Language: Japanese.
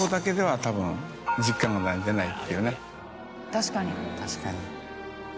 確かに。